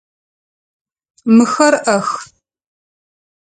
Мыхэр ӏэх.